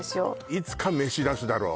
いつか飯出すだろう